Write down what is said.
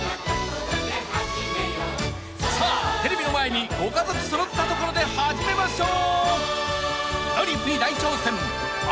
［さあテレビの前にご家族揃ったところで始めましょう］